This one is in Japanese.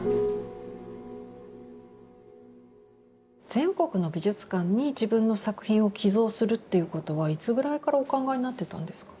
全国の美術館に自分の作品を寄贈するっていうことはいつぐらいからお考えになってたんですか？